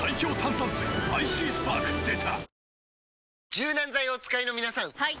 柔軟剤をお使いの皆さんはい！